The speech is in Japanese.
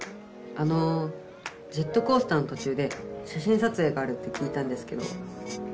あのジェットコースターのとちゅうで写真撮影があるって聞いたんですけど。